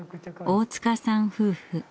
大塚さん夫婦。